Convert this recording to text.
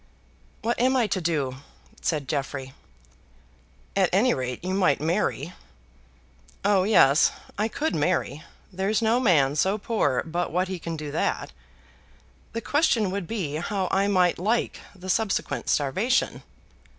"What am I to do?" said Jeffrey. "At any rate you might marry." "Oh, yes; I could marry. There's no man so poor but what he can do that. The question would be how I might like the subsequent starvation."